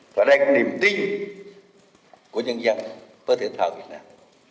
và đây là niềm tin của nhân dân với thể thao việt nam